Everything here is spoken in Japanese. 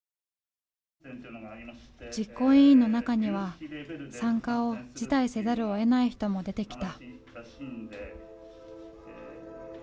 実行委員の中には参加を辞退せざるをえない人も出てきた。